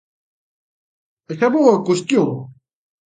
E xa vou á cuestión.